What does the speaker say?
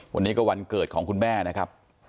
วันนี้ก็วันเกิดของคุณแม่นะครับ